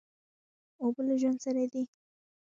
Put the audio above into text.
اوبه له ژوند سره دي.